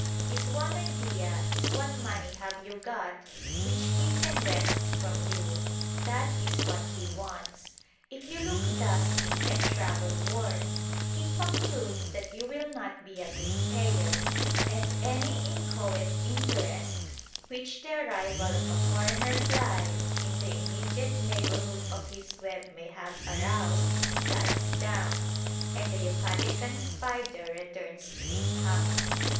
His one idea is what money have you got which he can wrest from you. That is what he wants. If you look dusty and travel worn, he concludes that you will not be a good payer, and any inchoate interest which the arrival of a foreigner fly in the immediate neighbourhood of his web may have aroused dies down, and the Yucatecan spider returns to his hammock.